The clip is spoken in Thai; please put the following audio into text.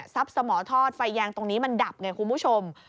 สมอทอดไฟแยงตรงนี้มันดับไงคุณผู้ชม